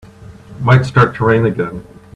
Might start to rain again.